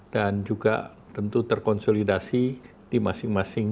dan juga tentu terkonsolidasi di masing masing kl